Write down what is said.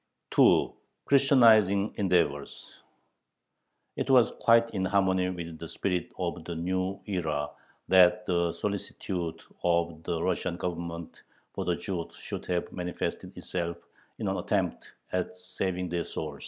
2. CHRISTIANIZING ENDEAVORS It was quite in harmony with the spirit of the new era that the solicitude of the Russian Government for the Jews should have manifested itself in an attempt at saving their souls.